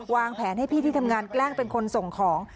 วางแผนให้พี่ที่ทำงานแกล้งเป็นคนส่งของ